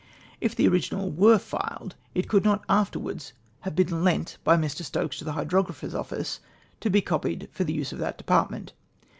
" If the original were filed, it could not afterwards have been ' lerd by Mr Stokes to the Hydrographer's office to be copied for the use of that department.'